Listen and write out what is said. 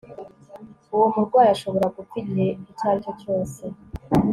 Uwo murwayi ashobora gupfa igihe icyo aricyo cyose